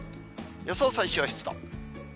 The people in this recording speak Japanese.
予想最小湿度。